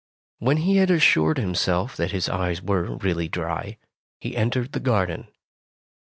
When he had assured himself that his eyes were really dry, he entered the garden.